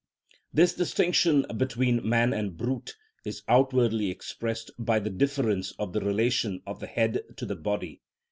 This distinction between man and brute is outwardly expressed by the difference of the relation of the head to the body.